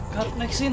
terima kasih bang